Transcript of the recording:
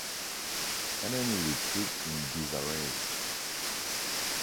Enemy retreat in disarray.